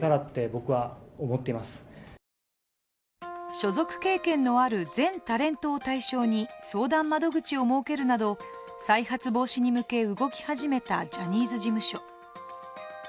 所属経験のある全タレントを対象に相談窓口を設けるなど再発防止に向け、動き始めたジャニーズ事務所。